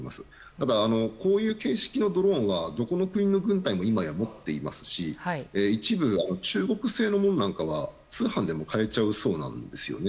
ただ、こういう形式のドローンはどこの国の軍隊も持っていますし一部、中国製のものは通販でも買えちゃうそうなんですね。